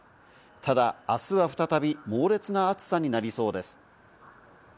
ただ、あすは再び猛烈な暑さになりそうです。